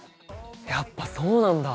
やっぱそうなんだ。